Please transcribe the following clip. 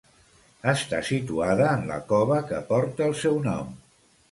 Està situada en la cova que porta el seu nom.